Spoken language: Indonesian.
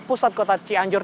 di pusat kota cianjur